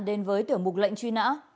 đến với tiểu mục lệnh truy nã